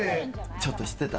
ちょっと知ってた？